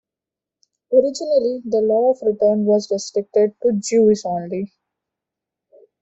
Originally, the Law of Return was restricted to Jews only.